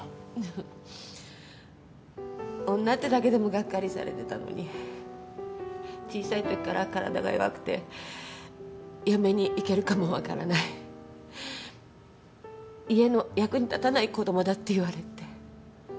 女ってだけでもがっかりされてたのに小さいときから体が弱くて嫁に行けるかも分からない家の役に立たない子供だって言われて。